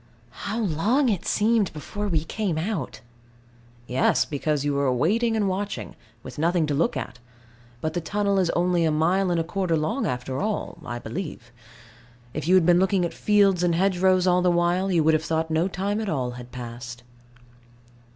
How long it seemed before we came out! Yes, because you were waiting and watching, with nothing to look at: but the tunnel is only a mile and a quarter long after all, I believe. If you had been looking at fields and hedgerows all the while, you would have thought no time at all had passed.